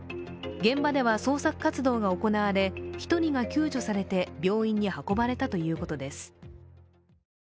現場では捜索活動が行われ、１人が救助されて病院に運ばれたということです。